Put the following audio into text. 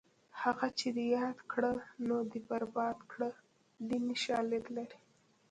ښه چې دې یاد کړه نو دې برباد کړه دیني شالید لري